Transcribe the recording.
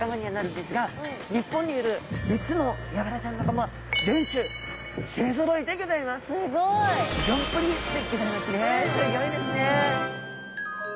すギョいですね。